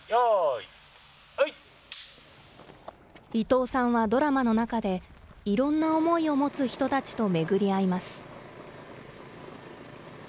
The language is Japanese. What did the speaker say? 伊藤さんはドラマの中で、いろんな思いを持つ人たちと巡り合います。